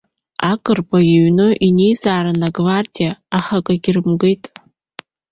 Агрбаиҩны инеизаарын агвардиаа, аха акгьы рымгеит.